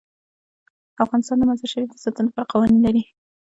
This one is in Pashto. افغانستان د مزارشریف د ساتنې لپاره قوانین لري.